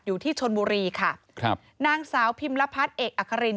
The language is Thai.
อยู่ที่ชนบุรีค่ะครับนางสาวพิมรพัฒน์เอกอัคริน